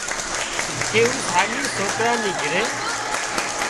ڪي او ساڳي سوڪرا نِي گھري